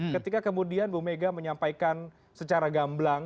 ketika kemudian bumega menyampaikan secara gamblang